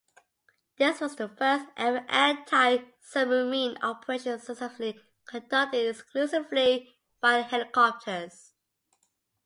This was the first ever anti-submarine operation successfully conducted exclusively by helicopters.